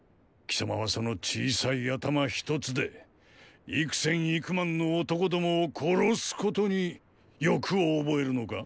貴様はその小さい頭一つで幾千幾万の男どもを殺すことに“欲”をおぼえるのか？